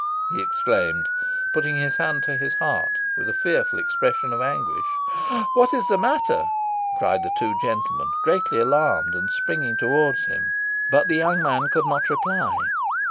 he exclaimed, putting his hand to his heart, with a fearful expression of anguish. "What is the matter?" cried the two gentlemen, greatly alarmed, and springing towards him. But the young man could not reply.